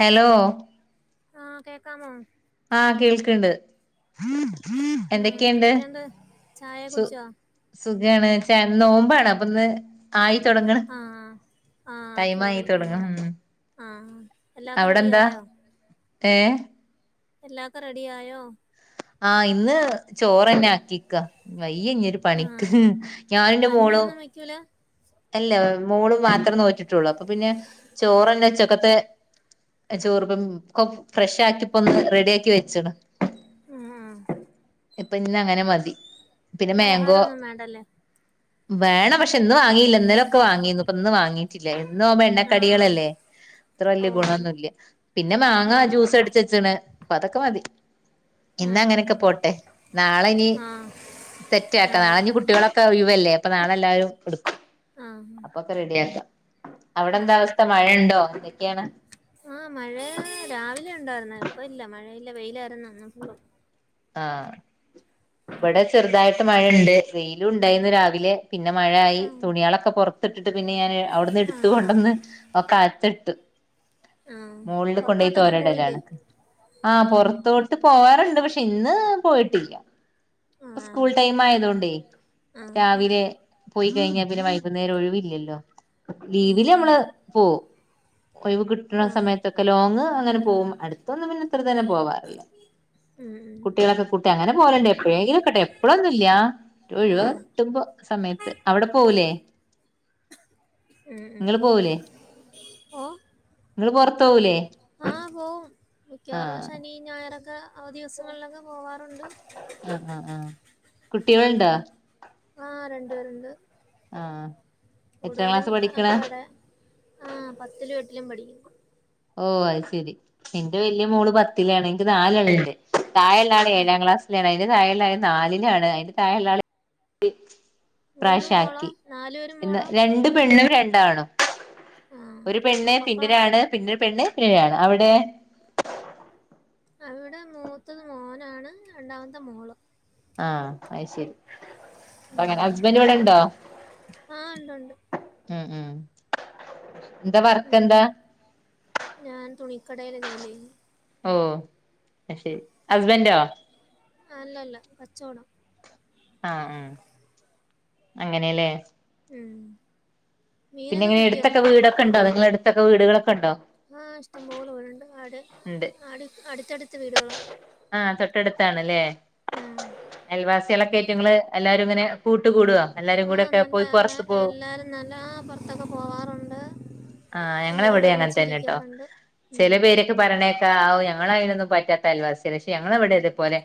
Hello. ആഹ് കേക്കാമോ? ആഹ് കേൾക്ക്ണ്ട് ആഹ് എന്തൊക്കെണ്ട് എന്തൊക്കെയുണ്ട് ചായ സു കുടിച്ചോ സുഖാണ് ച നോമ്പാണ് അപ്പന്ന്. ആയി തൊട്ങ്ണ് ആഹ് ആഹ് ടൈം അത്രേ ഉള്ളൂ ആയിത്തൊടങ്ണ് ആഹ് ഉം. ആഹ് എല്ലാ അവിടെന്താ ഒക്കെറെഡിയായോ? ഏഹ്. എല്ലാക്കെ റെഡിയായോ? ആഹ് ഇന്ന് ചോറന്നാക്കിക്ക. വയ്യഞ്ഞൊരു പണിക്ക് ഞാനു ന്റെ മോളും. റ്റുല. എല്ല മോള് മാത്ര നോറ്റിട്ടുള്ളൂ അപ്പപിന്നെ ചോറന്നെ ഉച്ചക്കത്തെ. എ ചോറ്പ്പം കൊം ഫ്രഷാക്കിപ്പൊന്ന് റെഡ്യാക്കി വെച്ച്ണ്. ഉം ആഹ്. ഇപ്പ ഇന്നങ്ങനെ മതി പിന്നെ മാങ്കോ. പലഹാരമൊന്നും വേണ്ടല്ലേ വേണം പക്ഷെ ഇന്ന് വാങ്ങിയില്ല ഇന്നലൊക്കെ വാങ്ങിന്നുപ്പ ന്ന് വാങ്ങി. കിലെ എന്നു ആവുമ്പ ആഹ് ആഹ് എണ്ണക്കടികളല്ലേ. ത്ര ഓ വല്ല്യ ആണ് ഗുണൊന്നുല്ല്യ പിന്നെ മാങ്ങ ആഹ് ജ്യൂസ് അട്ച്ചെച്ച്ണ് പ്പതൊക്കെ മതി. ആഹ് ഇന്നങ്ങനെക്കെ പോട്ടെ നാളെനി ആഹ് ആഹ് ആഹ് സെറ്റാക്കാ അതെ നാളെഞ്ഞ് കുട്ട്യോളൊ ളെ ഒയിവല്ലേ അപ്പോ നാളെല്ലാരും ട്ക്കും. ആഹ് അപ്പൊക്കെ റെഡിയാക്കാ, അവടെന്താ ആഹ് അവസ്ഥ മഴ ണ്ടോ? എന്തൊക്കെയാണ്? ആഹ് മഴാ രാവിലെണ്ടാരുന്നേ. പ്പ ഇല്ല മഴയില്ല, വെയിലായിര്ന്നു ഇന്ന് ഫുള്ളും. ആഹ്. വടെ ചെറ്തായിട്ട് മഴണ്ട്. വെയിലുണ്ടായിന്ന് രാവിലെ പിന്നെ മഴ പയി ആഹ് തുണിയള ക്കെ പൊറത്ത്ട്ട്ട്ട് പിന്നെ ഞാന് അവ്ട്ന്ന്ട്ത്ത് ആഹ് കൊണ്ടന്ന് ഒക്കെ അകത്ത്ട്ട്. ആ മോൾള് കൊണ്ടോയി പുറത്തോട്ടെങ്ങും തോര പോയില്ലേ ടലാണ്. ആഹ് പൊറത്തോട്ട് പോവാറ്ണ്ട്, പഷെ ഇന്ന് പോയിട്ടില്ല്യ. ആ പ്പ സ്കൂൾ ടൈമായതോണ്ടേ ആ ആ രാവിലെ പോയി കഴിഞ്ഞാ പിന്നെ വൈകുന്നേരം ഒഴിവില്ല്യല്ലോ, ആ ലീവില് ഞമ്മള് പോവും. ഒഴിവ് കിട്ട്ണ ആ സമയത്തൊക്കെ ലോങ്ങ് അങ്ങനെ പോവും അട് ത്തൊന്നും പിന്നെ ഇത്ര തന്നെ പോവാറില്ല. ഉം, ഉം. കുട്ടികളെക്കെ കൂട്ടി അങ്ങനെ പോവല്ണ്ടേ എപ്പഴേങ്കിലൊക്കെട്ടൊ എപ്പോഴൊന്നുല്ല്യാ ആ ഒഴിവക്കെ കിട്ടുമ്പോ സമയത്ത്, അവിടെ പോവുലേ. ഉം ഉം. [unintelligible] ങ്ങള് പൊറത്തോവു ആഹ്, പോവും. മിക്കവാറും ആ ആഹ് ശനി ഞായറൊക്കെ ആ ദിവസങ്ങളിലൊക്കെ പോവാറുണ്ട്. ആഹ് ആഹ് ആഹ് കുട്ടികൾണ്ടാ? ആഹ് രണ്ട് പേരുണ്ട്. ആഹ് എത്രാം കൂടുതലും ക്ലാസ് പഠിക്കണ ആക്കാടെ ആഹ് പത്തിലും എട്ടിലും പഠിയ്ക്കുന്നു. ഓഹ് അയ്ശെരി. ഇന്റെ വെല്യ മോള് പത്തിലാണ്, ൻക്ക് നാലാള്ണ്ട്, താഴെള്ളാള് ഏഴാം ക്ലാസ് എളേതിന്റെ താഴെള്ളാള് നാലിലാണ്, അയ്ന്റെ താഴെള്ളാള് [unintelligible] മൂന്നും മോളോ പ്രാവശ്യാക്കി. നാലുപേരും ഇന്ന് മോളോ രണ്ട് പെണ്ണും രണ്ടാണും. ആ ഒരു ആ പെണ്ണ് മക്കളോ പിന്നൊരാണ് പിന്നൊരു പെണ്ണ് പിന്നൊരാണ് അവിടെ. അവിടെ മൂത്തത് മോനാണ് രണ്ടാമത്തെ മോള്. ആഹ്, അയ്ശെരി [unintelligible] ഉം. ഹസ്ബൻ്റ് വടെണ്ടോ? ആ ഉണ്ട് ഉണ്ട് ഉം, ഉം എന്താ വർക്ക് ഉം, എന്താ ഞാൻ തുണിക്കടയില ജോലി ചെയുന്നു. ഓഹ് അ ശെരി. ഹസ്ബന്റോ? അല്ലല്ല കച്ചോടം. ആഹ് ആഹ്, അങ്ങനെല്ലേ ഉം. പിന്നെ മീനൊക്കെ ങ്ങെനെ കിട്ടിയോ എട്ത്തൊക്കെ ഇന്ന് വീടൊക്കെണ്ടോ? നിങ്ങളെട്ത്തൊക്കെ വീട്‌കളൊക്കെണ്ടോ? ആഹ് ഇഷ്ടം പോലെ വീട്ണ്ട്. അടി ഉണ്ട് അട് അട്ത്തട്ത്ത് വീട്കളാ. ആഹ്, തൊട്ടട്ത്താണ്ല്ലേ. ആഹ് അയൽവാസ്യളക്കായിട്ട് ങ്ങള് എല്ലാരുങ്ങനെ കൂട്ട് കൂടോ? ആഹ് നല്ലാ ന്നാ എല്ലാരും നല്ല ആഹ് പൊർത്തൊക്കെ പോവാറുണ്ട്. ആഹ് ഞങ്ങളെവിടെ എല്ലെരുംകൂടെ ഒരുമിച്ചിരിയ്ക്കാറുണ്ട്. ഉം. പറിണേക്കാ ആവൂ ഞങ്ങളയ്നൊന്നും പറ്റാത്ത അയൽവാസ്യളാ ഷെ ഞങ്ങളവടെ തേ പോലെ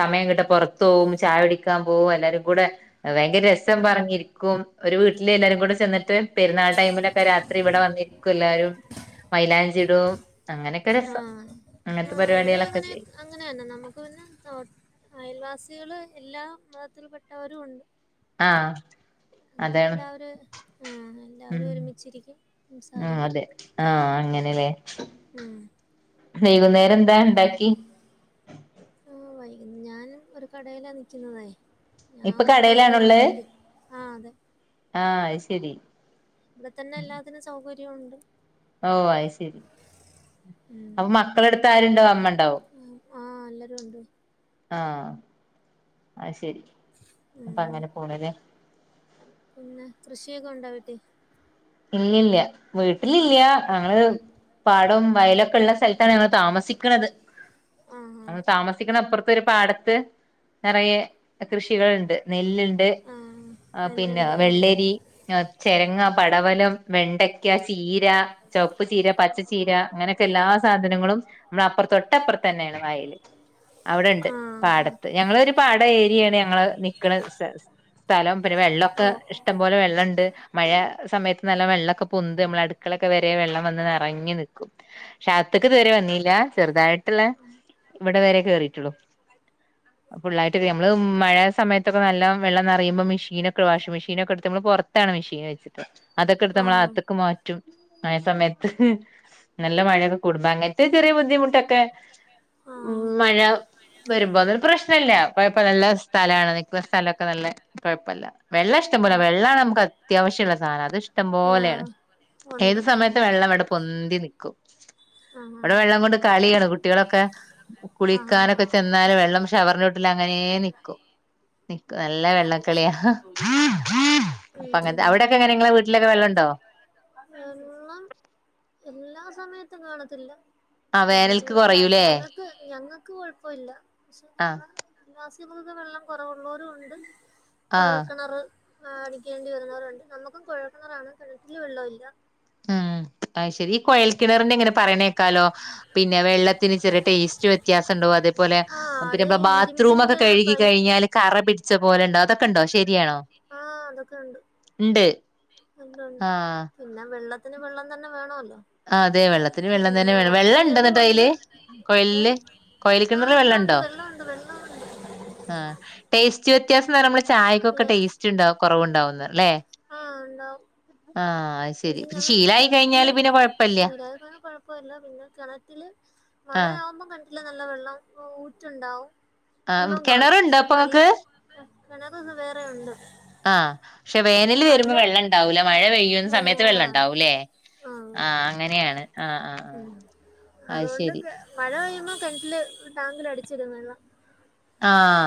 സമയം കിട്ടാ പൊറത്തോവും, ചായൊടിക്കാൻ പോവും, എല്ലാരും കൂടെ ഭയങ്കര രസം ആഹ് പറഞ്ഞിരിക്കും, ഒരു വീട്ട്ല് എല്ലാരും കൂടെ ചെന്ന്ട്ട് പെര്ന്നാൾ ടൈമിലൊക്കെ രാ ഇവ്ടെ വന്നിര്ക്കു എല്ലാരും. മൈലാഞ്ചിടും. അങ്ങനൊക്കെ രസം അങ്ങൻത്തെ പരിപാടികളൊക്കെ ചെയ്യും. അങ്ങനെയന്ന നമുക്ക് പിന്നെ ഒ അയൽവാസികള് എല്ലാ മതത്തിൽ പെട്ടവരു ഉണ്ട്. ആഹ് അങ്ങനെ അതാണ് എല്ലാവരു ആഹ് എല്ലാവരും ഉം ഒരുമിച്ചിരിയ്ക്കും ആഹ് സംസാരിയ്ക്കും. അതെ ആഹ് അങ്ങനെലേ ഉം വൈകുന്നേരം ന്താ ണ്ടാക്കി. ആഹ് വൈകു ഞാൻ ഒരു കടയിലാ നിയ്ക്ക്ന്നതേ. ഞാ ഇപ്പൊ ഒമ്പത് മണിയാവും കടയിലാണുള്ളത് വീട്ടി ആഹ് അതെ. ആഹ് അയ് ശരി ഇവടെത്തന്നെ എല്ലാത്തിനും സൗകര്യൊണ്ട് ഓഹ് അയ് ശരി ഉം അപ്പൊ മക്കളെടുത്ത് ആരുണ്ടാവു അമ്മണ്ടാവും ആഹ് എല്ലാരും ഉണ്ട് ആഹ് അയ് ശരി അപ്പൊ ഉം അങ്ങനെ പോണല്ലേ പിന്നെ കൃഷിയൊക്കണ്ടോ വീട്ടില് ഇല്ലല്ലാ വീട്ട്ല്ലില്ല ഞങ്ങള് പാടം വയലൊക്കള്ള സല്ത്താണ് ഞങ്ങള് താമസിക്ക്ണത് ആഹ് ഞങ്ങള് താമസിക്ക്ണ അപ്പറ്ത്തൊരു പാടത്ത് നെറയെ ഏഹ് കൃഷികൾണ്ട് നെല്ല്ണ്ട് ആഹ് ആഹ് ആഹ് പിന്നെ നെല്ലുണ്ട് ആഹ് വെള്ളരി ഞാ ചെരങ്ങാ പ ടവലം, വെണ്ടയ്ക്ക, ചീ രാ, ചൊവപ്പ് ചീര, പച്ചച്ചീര അങ്ങനെയൊക്കെ എല്ലാ സാധനങ്ങളും ദാ അപ്പറ് തൊട്ടപ്പറ്ത്തന്നേണ് വയല് അവടെണ്ട് ആഹ് പാടത്ത് ഞങ്ങളൊര് പാട ഏരിയാണ് ഞങ്ങള് നിക്കണ സല് സ് ഥലം പിന്നെ വെള്ളൊക്കെ ഓഹ് ഇഷ്ടംപോലെ വെള്ളണ്ട് മഴ സമയത്ത് നല്ല വെള്ളൊക്കെ പൊന്ത് നമ്മളെ അടുക്കളൊക്കെ വരെ വെള്ളം വന്ന് നെറങ്ങി നിക്കും പക്ഷേ അവുത്ത്ക്ക് ഇതുവരെ വന്നില്ല ചെറുതായിട്ടുള്ള ഇവടെ വരെ കേറിയിട്ടുള്ളു ഫുള്ളായിട്ട്ട്ടെ നമ്മള് മഴ സമയത്തൊക്കെ നല്ലോം വെള്ളം നറയുമ്പം മെഷീനൊ ക്കെ വാഷി മെഷീക്കെടുത്ത് ഞമ്മള് പൊറ്ത്താണ് മെഷീൻ വെച്ചിട്ട്ള്ളെ അതൊക്കെട്ത്ത് ഞമ്മളാ ആഹ് അകത്ത്ക്കും മാ റ്റും ആയ സമയത്ത് നല്ല മഴയൊക്കെ കൂടുമ്പോ അങ്ങത്തെ ചെറിയ ബുദ്ധിമുട്ടൊക്കെ ഉം ആഹ് മഴ വെരുമ്പോ അതൊരു പ്രശ്നല്ല കൊഴപ്പല്ല നല്ല സ്ഥലാണ് നിക്ക്വ സ്ഥലൊക്കെ നല്ലെ കൊഴപ്പല്ല വെള്ളം ഇഷ്ടം പോലെ ഉം വെള്ളാണ് അമ്മക്കത്യാവശ്യൊള്ള സാനാ അത് ഇഷ്ടം പോലെണ് ആഹ് ഏത് ഉണ്ട് ആഹ് സമയത്തും വെള്ളം ഇവടെ പൊന്തി നിക്കും ആഹ് ഇവടെ വെള്ളം കൊണ്ട് കളിയാണ് കു ട്ടികളൊക്കെ കു ആഹ് ആഹ് കുളിക്കാനൊക്കെ ആഹ് ചെന്നാലും വെള്ളം ഷവറ്ന്റോട്ടിലങ്ങനേ നിക്കും നിക്ക നല്ല വെള്ളക്കളിയാ ഉം അപ്പങ്ങത്തെ അവടെ ക്കങ്ങനെ ഇങ്ങളെ വീട്ട്ലൊക്കെ വെള്ളണ്ടോ എന്നും എല്ലാ സമയത്തും കാണത്തില്ല ആ അവടെ വേനൽക്ക് ഫുള്ളും ലൈ കൊറയൂലേ ഞങ്ങൾക്ക് ഞങ്ങൾക്ക് കൊഴപ്പവില്ല പക്ഷേ ആഹ് [unintelligible] വെള്ളം കൊറവുള്ളോരുണ്ട് ആ കൊഴൽ കെണർ ആഹ് അടിക്കേണ്ടി വരാറുണ്ട് ഞമ്മക്കും കൊഴൽ കെണറാണ് കെണറ്റില് വെള്ളോവില്ല ഉം അയ് ശരി ഈ കൊഴൽ കിണറിന്ങ്ങനെ പറയണേക്കാലോ പിന്നെ വെള്ളത്തിന് ചെറിയ ടേസ്റ്റ് വ്യ ത്യാസണ്ടാവും അതേപോലെ ആഹ് പിന്നെ അത് അമ്മളെ ബാത്റൂമൊക്കെ ഇരുമ്പിന്റെ കെഴുകി പൈപ്പ് കഴിഞ്ഞാല് കറ പിട് ച്ച പോലെണ്ടാവും അതൊക്കണ്ടോ ശരിയാണോ ആഹ് അതൊക്കെയുണ്ട് ഇണ്ട് ഉണ്ടുണ്ട് ആ പിന്നെ വെള്ളത്തിന് വെള്ളത്തന്നെ വേണോല്ലോ ആഹ് അതെ വെള്ളത്തിന് വെള്ളം തന്നെ വേണം വെള്ളണ്ടോ ന്ന്ട്ടയില് കൊണ്ട് കൊഴല്ല് ഏഹ് കൊഴല് ആഹ് കിണറ്ൽ വെള്ളമുണ്ട് വെള്ളണ്ടോ വെള്ളമുണ്ട് വെള്ളമുണ്ട് ആഹ് ടേസ്റ്റ് വ്യത്യാസെന്ന് പറിയമ്മള് ചായയ്ക്കൊക്കെ ടേസ്റ്റ്ണ്ടാവും കൊറവ്ണ്ടാവുന്ന്ലെ ആഹ് ഇണ്ടാവും ആഹ് അയ് ശരി പിന്നെ ശീലായി കഴിഞ്ഞാല് പിന്നെ കൊഴ മൂന്നാല് കൊല്ലം കൊഴപ്പവില്ല പിന്നെ കെണറ്റില് മഴയാ ആഹ് വുമ്പം കെണറ്റില് നല്ല വെള്ളം ഓഹ് ഊറ്റുണ്ടാവും ആഹ് വെള്ളോം കാണും കെണറുണ്ടോ പക്ഷേ ന അപ്പൊങ്ങക്ക് ആഹ് കെണറ്ത് വേറെയുണ്ട് ആഹ് ക്ഷേ വേനല് വെര്മ്പോ വെള്ളണ്ടാവൂല മഴ പെയ്യുന്ന സമയത്ത് വെള്ളണ്ടാവുലേ ആ ആഹ് അങ്ങനെയാണ് ആഹ് ആഹ് ആഹ് അത് അതോണ്ട് ശെരി കെ മഴ പെയ്യുമ്പോ കെൺറ്റില് ടാങ്കിലടിച്ചിടും വെള്ളം ആഹ്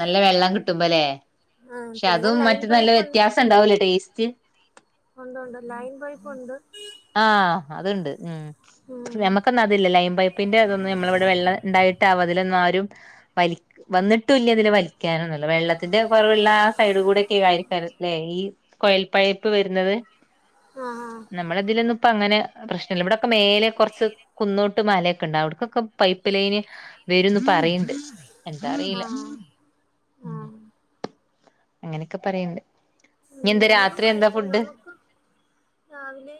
നല്ല വെള്ളം കിട്ടുമ്പലെ? ആ പക്ഷെ പിന്നെ അതും ലൈൻ മറ്റതും നല്ല, പൈപ്പ് വ്യത്യാസണ്ടാവലെ ടേസ്റ്റ്. ഒണ്ടൊണ്ട് ലൈൻ പൈപ്പുണ്ട്. ആഹ് അത്ണ്ട്, ഉം. ഉം. നമ്മക്കൊന്നും അതില്ല ലൈം- പൈപ്പിന്റെ ഇതൊന്നും, നമ്മളിവിടെ വെള്ളം ഇണ്ടായിട്ടാവോ? അതിലൊന്നാരും വലി- വന്നിട്ടുല്ല ഇതിലെ വലിക്യാനൊന്നല്ല, വെള്ളത്തിന്റെ കൊറവ്ള്ളാ സൈഡ് കൂടൊക്യേ കാര്യല്ലേ, ഈ.. കൊയൽപൈപ്പ് വെര്ന്നത്. ആഹ് ആഹ്. നമ്മള ഇതിലൊന്ന ഇപ്പൊ അങ്ങനെ പ്രശ്നല്ല ഇവിടൊക്കെ മേലെ കൊർച്ച് കുന്നോട്ട് മലക്കെണ്ട്- അവിട്ക്കൊക്കെ. പൈപ്പ് ലൈന് വരുന്ന് പറയ്ണ്ട് എന്താ അറീല. ആ ആ ഉം ആ അങ്ങനൊക്കെ പറയ്ണ്ട്. ഉം ഇനി എന്താ നമുക്കും രാത്രി എന്താ കൊയൽ ഫുഡ് വെള്ളൊക്കെ. രാവിലെ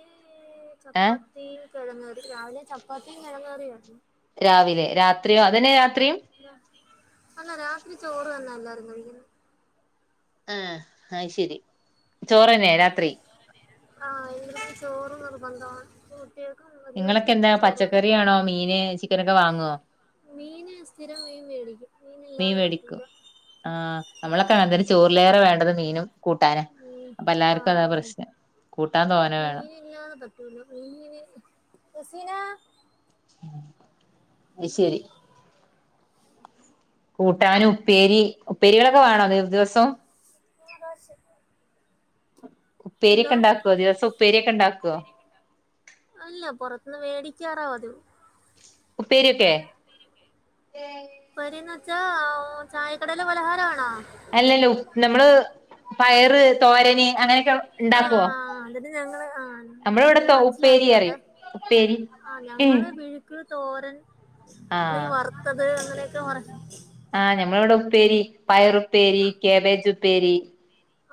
ഏഹ് ചപ്പാത്തിം, കെഴങ്ങ്കറി. രാവിലെ ചപ്പാത്തീം, കെഴങ്ങ്കറേർന്നു. രാവിലെ, രാത്രോ? അതന്നെ രാത്രിം. അല്ല, രാത്രി ചോറ് തന്നാ എല്ലാരും കഴിക്കുന്നെ. ആഹ് അത് ശെരി ചോറെന്നെ രാ- ത്രി ആഹ്, ഇവിടെ പിന്നെ ചോറ് നിർബന്ധാണ്. കുട്യേൾക്കും. ഇങ്ങളൊക്കെ എന്താ? പച്ചക്കറിയാണോ, മീന്, ചിക്കനൊക്കെ വാങ്ങോ? മീന് സ്ഥിരമായും മേടിക്കും. മീൻ മീനില്ലാതെ മേടിക്കും, പറ്റൂല ആഹ് നമ്മളൊക്കെ അങ്ങൻതന്നെ ചോറിലേറെ വേണ്ടത് മീനും, കൂട്ടാനാ, ഉം അപ്പോ എല്ലാർക്കും അതാ പ്രശ്നം കൂട്ടാൻ തോനെ വേണം. ഇല്ലാതെ. [unintelligible] അത് ശെരി. കൂട്ടാന്, ഉപ്പേരി ഉപ്പേരികളൊക്കെ വേണോ ദിവസം. ഉപ്പേരി ഒക്കെ എന്തോ ഇണ്ടാക്കോ? ദിവസോം ഉപ്പേരി ഒക്കെ ഇണ്ടാക്കോ? അല്ല പൊത്ത്ന്ന് മേടിക്കാറാ പതിവ്. ഉപ്പേരിയൊക്കെ. അത്ന്ന് വെച്ചാ ചായക്കടയിലെ പലഹാരാണോ? ഇല്ലല്ല, നമ്മള്- പയറ്തോരന്, അങ്ങനെയൊക്കെ ഉണ്ടാക്കുവോ? ആഹ് നമ്മുടെ ഇവിടെ- ലായില്ലേട്ടാ. പേരി. ആഹ് ഞങ്ങള് പിഴുക്കള്, തോരൻ, അല്ലെങ്കിൽ ആഹ് വറുത്തത്, അങ്ങനെയൊക്കെ പറ. ആഹ് ഞമ്മള ഇവിടെ ഉപ്പേരി, പയറ് പ്പേരി, കേബേജ് ഉപ്പേരി-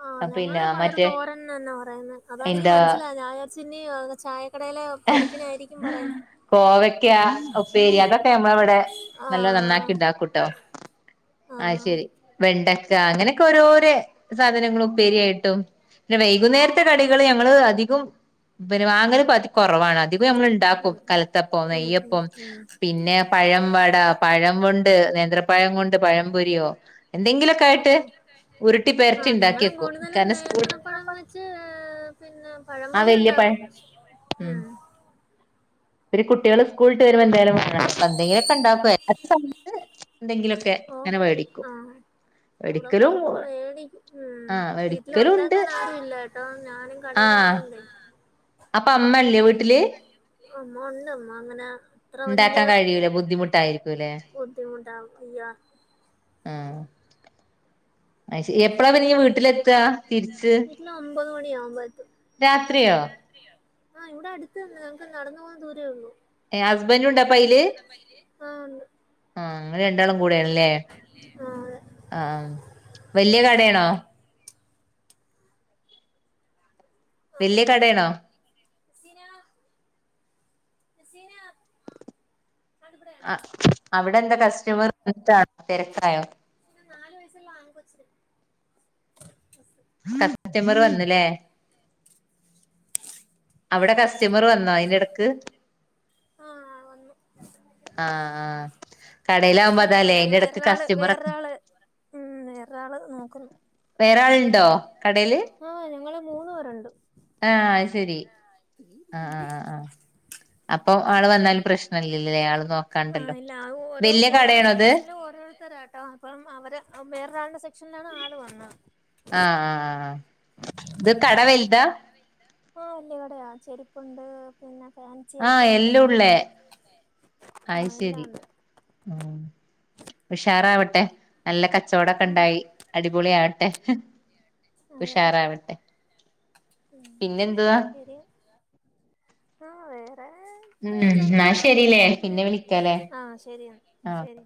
ആഹ് ഞങ്ങള് പിന്നെ പയറ് മറ്റേ തോരൻ- ന്നന്നെ പറയുന്നെ, അതാ എനിക്ക് എന്താ മനസ്സിലാവാഞ്ഞെ. ചിന്നിയ ചായക്കടയിലെ- പൊരിപ്പിനായിരിക്കും പറയുന്നെ കോവക്കാ ഉപ്പേരി, അതോക്കെ അമ്മ ഇവിടെ- നല്ല നന്നാക്കി ആഹ് ഉണ്ടാക്കൂട്ടോ. ആഹ് ശരി. വെണ്ടക്ക, അങ്ങനെയൊക്കെ ഓരോരോ സാധനങ്ങളും ഉം പേരിയായിട്ടും. പിന്നെ വൈകുന്നേരത്തെ കടികള്- ഞങ്ങള് അധികം പി വങ്ങനെ പ- കുറവാണ്, അതിവ നമ്മൾ ഉണ്ടാക്കും ഉം കലത്തപ്പം, ഉം ഉം നെയ്യപ്പം, ഉം പിന്നെ പഴം. ടാ പഴം കൊണ്ട് നേന്ത്രപ്പഴം കൊണ്ട്- പഴംപൊരിയോ എന്തെങ്കിലൊക്കെ ആഹ് ആയിട്ട്. ഉരുട്ടി പെരട്ടി ആഹ് ഉണ്ടാക്കി ഞങ്ങളും വെക്കും കൂടുതലും, കാരണം നേ- സ്കൂൾ ന്ത്രപ്പഴം വെച്ച് പിന്നെ, ആഹ് പഴംപൊരി വല്യ പഴം ഉണ്ടാകും, ഉം. ഇ കുട്ടികള് സ്കൂലിട്ട് വരുമ്പോ- എന്തായാലും വണം ആഹാ, എന്തെങ്കിലൊക്കെണ്ട സമയത്ത്. എന്തെങ്കിലുമൊക്കെ ഓ അങ്ങനെ മേടിക്കൂ. ആഹ് അവിടെ പുറത്തുന്ന് മേടിക്കും, ഉം ആഹ് വീട്ടിൽ വേടിക്കലുണ്ട് ഉണ്ടാക്കാൻ ആരുല്ല ട്ടോ, ഞാൻ. കടയിലായതു ആഹ് കൊണ്ട് അപ്പൊ അമ്മ ഇല്ലേ വീട്ടില് അമ്മ ഉണ്ട് അമ്മ അങ്ങനെ അത്ര വല്യ ഇണ്ടാക്കാൻ കഴിയൂല ബുദ്ധിമുട്ടായിരിക്കൂല്ലേ ബുദ്ധിമുട്ടാ വയ്യാ ആഹ് അത് ശരി എപ്പളാ പിന്നെ ഇയ്യ് വീട്ടിലെത്താ തിരിച്ച് വീട്ടില് ഒമ്പത് മണിയ ആകുമ്പ എത്തും രാത്രിയോ ആഹ് ഇവിടെ അടുത്ത് ഞങ്ങക്ക് നടന്നു പോകൻ ദൂരേ ഉള്ളു ഏ ഹസ്ബന്റ് ഉണ്ടപ്പയില് ആഹ് ഉണ്ട് ആഹ് നിങ്ങള് രണ്ടാളും കൂടെ ആണല്ലേ ആഹ് അതെ ആ വലിയ കടയാണോ വല്യയ കടയാണോ സിന റെസീന ആ ഇപ ടെ ആഹ് അവിടെ എന്താ കസ്റ്റമർ വിട്ടാണോ തിരക്കായോ നാലു വയസുള്ള ആൺകൊച്ച്ബ സ് കസ്റ്റമർവന്നല്ലേ അവിടെ കസ്റ്റമർ വന്ന ആഹ് വന്നു ആഹ് ആഹ് ക അത് കുഴപ്പമില്ല അത് വേറൊരാള് വേറൊരാള് ഉ വേറരാള് നോക്കുന്നു വേറെ ആളുണ്ടോ കടയില് ആഹ് ഞങ്ങൾ മൂന്ന് പേരുണ്ട് ആഹ് അയ്ശരി ആഹ് ആഹ് അപ്പൊ ആള് വന്നല് പ്രശ്നല്ലല്ലേ ആള് ആഹ് നോക്കാണ്ടല്ലോ ഇല്ല വല്യ കടയാണ അത് ഇപ്പവരാ ട്ടോ അപ്പം അവര് വേറൊരാളന്റെ സെക്ഷനിലാണ് ആള് വന്നത് ആഹ് ആഹ് ഇത് കട വൽതാ ആഹ് വല്യയ കടയാ ചെരിപ്പുണ്ട് പിന്നെ ഫാൻസി ആയിട്ടും ആഹ് ഉണ്ട് എല്ലാം ഉള്ളേ ആഹ് എല്ലാംണ്ട് ഉ ഉഷാറാവട്ടെ നല്ല കച്ചവടൊക്കെ ഉണ്ടായി അടി പൊളിആവട്ടെ ഉഷാറാവട്ടെ ഉ പിന്നെന്തുവാ ശരി ആഹ് വേറെ ഉം എന്നാ പ്രതേകിച്ചൊന്നുമില്ല ശരില്ലേ, പിന്നെ വിളിക്കാലേ അങ്ങനെയക്ക ആഹ ശരിയാ ആഹ് ശരി